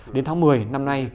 đến tháng một mươi năm nay